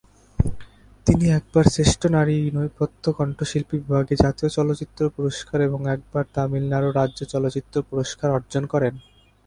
তিনি একবার শ্রেষ্ঠ নারী নেপথ্য কণ্ঠশিল্পী বিভাগে জাতীয় চলচ্চিত্র পুরস্কার এবং একবার তামিলনাড়ু রাজ্য চলচ্চিত্র পুরস্কার অর্জন করেন।